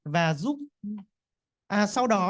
và sau đó